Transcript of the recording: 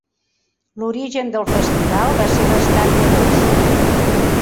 L'origen del Festival va ser bastant modest.